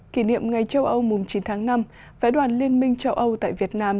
kỷ niệm ngày châu âu chín tháng năm vãi đoàn liên minh châu âu tại việt nam